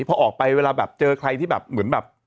พอออกไปเวลาแบบเจอใครที่แบบเหมือนแบบ